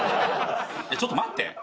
ちょっと待って。